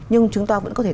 nhưng chúng ta vẫn có thể